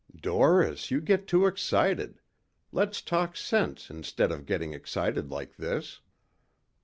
"Doris, you get too excited. Let's talk sense instead of getting excited like this."